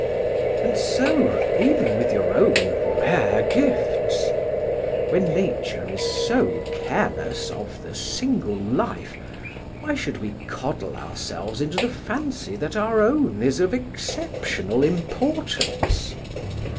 And so, even with your own rare gifts! When nature is "so careless of the single life," why should we coddle ourselves into the fancy that our own is of exceptional importance?